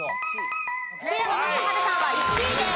福山雅治さんは１位です。